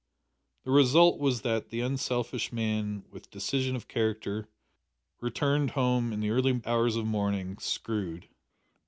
The result was that the unselfish man with decision of character returned home in the early hours of morning "screwed."